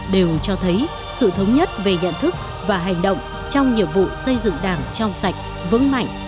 đều cho thấy sự thống nhất về nhận thức và hành động trong nhiệm vụ xây dựng đảng trong sạch vững mạnh